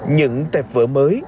những tẹp vỡ mới